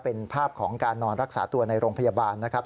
เป็นภาพของการนอนรักษาตัวในโรงพยาบาลนะครับ